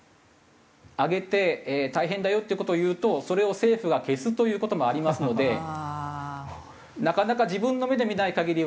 上げて大変だよっていう事を言うとそれを政府が消すという事もありますのでなかなか自分の目で見ない限りは伝わってこないと。